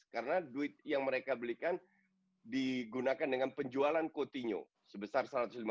karena duit yang mereka belikan digunakan dengan penjualan coutinho sebesar satu ratus lima puluh